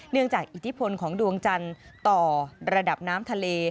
จากอิทธิพลของดวงจันทร์ต่อระดับน้ำทะเล